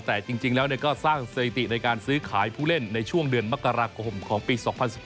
แต่จริงแล้วก็สร้างสถิติในการซื้อขายผู้เล่นในช่วงเดือนมกราคมของปี๒๐๑๙